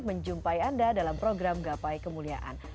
menjumpai anda dalam program gapai kemuliaan